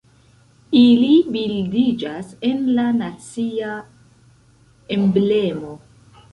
Ili bildiĝas en la nacia emblemo.